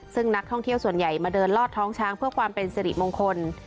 ซึ่งนักท่องเที่ยวส่วนใหญ่มาเดินลอดท้องช้างเพื่อความเป็นสิริมงคล